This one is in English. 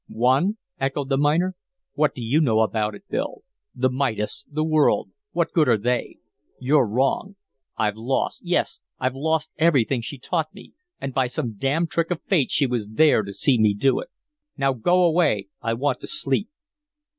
"Won?" echoed the miner. "What do you know about it, Bill? The Midas the world what good are they? You're wrong. I've lost yes I've lost everything she taught me, and by some damned trick of Fate she was there to see me do it. Now, go away; I want to sleep."